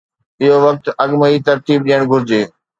اهو وقت اڳ ۾ ئي ترتيب ڏيڻ گهرجي.